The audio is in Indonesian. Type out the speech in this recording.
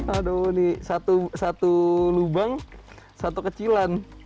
aduh ini satu lubang satu kecilan